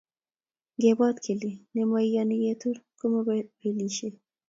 Ngebwat kele nemoiyoni ketur komoibelisie